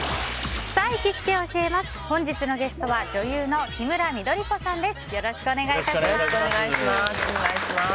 本日のゲストは女優のキムラ緑子さんです。